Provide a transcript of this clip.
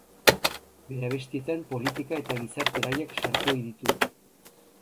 Bere abestietan politika eta gizarte gaiak sartu ohi ditu.